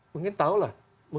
mungkin tahu lah